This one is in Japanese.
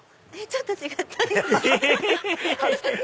ちょっと違った。え？